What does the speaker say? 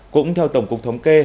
cũng theo tổng cục thống kê